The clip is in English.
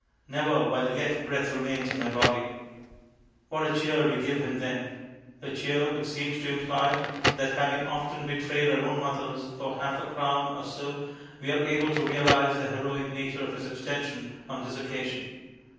"Never, while yet breath remains in my body!" What a cheer we give him then; a cheer which seems to imply that, having often betrayed our own mothers for half a crown or so, we are able to realize the heroic nature of his abstention on this occasion.